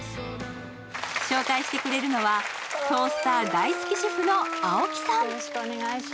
紹介してくれるのはトースター大好き主婦の青木さん。